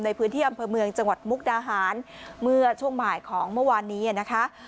ในพื้นที่อำเภอเมืองจังหวัดมุกดาหารเมื่อช่วงบ่ายของเมื่อวานนี้นะคะ